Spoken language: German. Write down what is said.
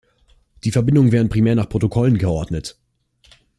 Die Verbindungen werden primär nach Protokollen geordnet.